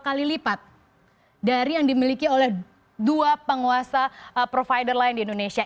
empat kali lipat dari yang dimiliki oleh dua penguasa provider lain di indonesia